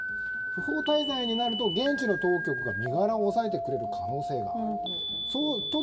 不法滞在になると、現地の当局が身柄を押さえてくれる可能性があると。